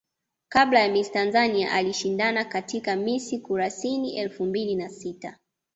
Kabla ya Miss Tanzania alishindana katika Miss Kurasini elfu mbili na sita